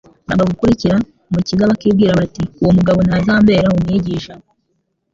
banga gukurikira Umukiza bakibwira bati : uwo mugabo ntazambera Umwigisha.